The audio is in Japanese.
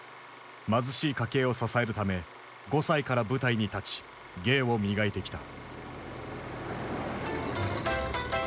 貧しい家計を支えるため５歳から舞台に立ち芸を磨いてきた。